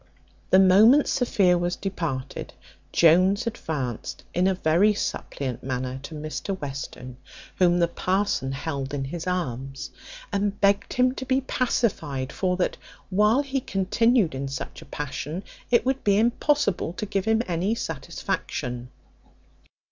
The moment Sophia was departed, Jones advanced in a very suppliant manner to Mr Western, whom the parson held in his arms, and begged him to be pacified; for that, while he continued in such a passion, it would be impossible to give him any satisfaction.